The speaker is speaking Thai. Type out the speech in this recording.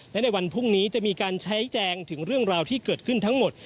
และในวันพรุ่งนี้จะมีการชี้แจงถึงเรื่องราวที่เกิดขึ้นทั้งหมด